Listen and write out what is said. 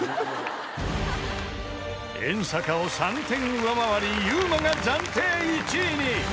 ［遠坂を３点上回りｙｕｍａが暫定１位に］